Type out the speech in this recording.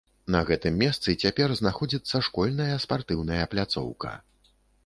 На гэтым месцы цяпер знаходзіцца школьная спартыўная пляцоўка.